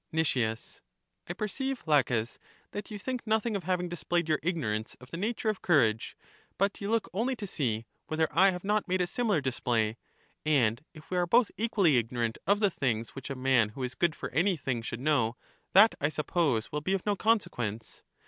Nic. I perceive, Laches, that you think nothing of having displayed your ignorance of the nature of courage, but you look only to see whether I have not made a similar display; and if we are both equally ignorant of the things which a man who is good for anjrthing should know, that, I suppose, will be of no consequence.